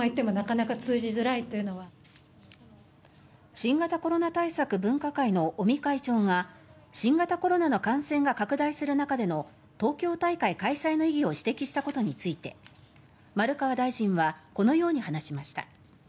新型コロナ対策分科会の尾身会長が新型コロナの感染が拡大する中での東京大会開催の意義を指摘したことについて丸川大臣はこのように話しました。